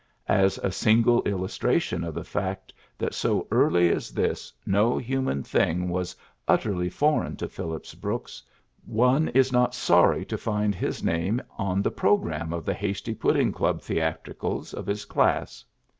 As a single illustration of the fact that so early as this no human thing was utterly foreign to Phillips Brooks, one is not sorry to find his name on the programme of the Hasty Pudding Club theatricals of his class.